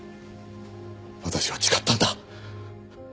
私は誓ったんだ。